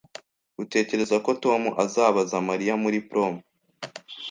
Utekereza ko Tom azabaza Mariya muri prom?